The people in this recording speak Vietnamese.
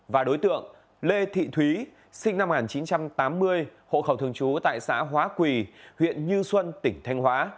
và đối tượng lê thị thúy sinh năm một nghìn chín trăm tám mươi hộ khẩu thường trú tại xã hóa quỳ huyện như xuân tỉnh thanh hóa